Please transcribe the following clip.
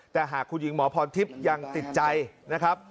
แต่หากคุณหญิงหมอพรทิพย์ยังติดใจนะครับ